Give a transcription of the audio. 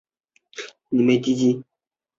加班费漏给